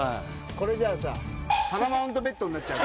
これじゃあさ。